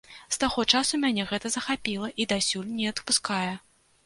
З таго часу мяне гэта захапіла і дасюль не адпускае.